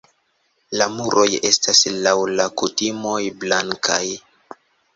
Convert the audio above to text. La muroj estas laŭ la kutimoj blankaj.